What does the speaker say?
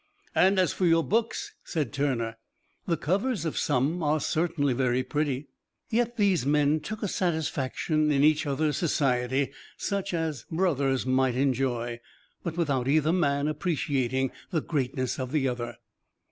"And as for your books," said Turner, "the covers of some are certainly very pretty." Yet these men took a satisfaction in each other's society, such as brothers might enjoy, but without either man appreciating the greatness of the other.